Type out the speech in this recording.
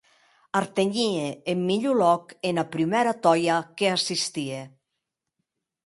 Artenhie eth milhor lòc ena prumèra tòia qu’assistie!